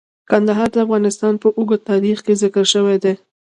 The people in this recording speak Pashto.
کندهار د افغانستان په اوږده تاریخ کې ذکر شوی دی.